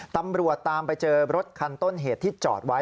ตำรวจตามไปเจอรถคันต้นเหตุที่จอดไว้